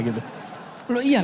belum iya kan